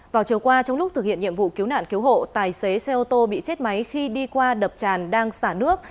vào chiều qua trong lúc thực hiện nhiệm vụ cứu nạn cứu hộ tài xế xe ô tô bị chết máy khi đi qua đập tràn đang xả nước